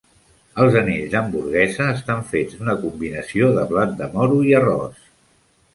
Els anells d'hamburguesa estan fets d'una combinació de blat de moro i arròs.